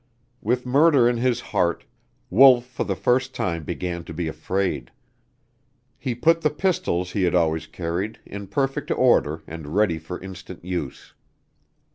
With murder in his heart, Wolf for the first time began to be afraid. He put the pistols he had always carried in perfect order and ready for instant use.